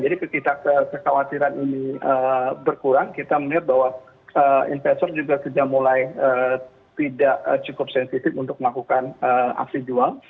jadi ketika kekhawatiran ini berkurang kita melihat bahwa investor juga sudah mulai tidak cukup sensitif untuk melakukan aksi jual